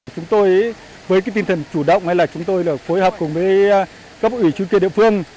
chúng tôi với tinh thần chủ động chúng tôi phối hợp với các bộ ủy chú kia địa phương